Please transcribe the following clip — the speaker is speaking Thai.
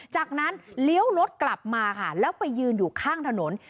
จากนั้นเลี้ยวรถกลับมาค่ะแล้วไปยืนอยู่ข้างถนน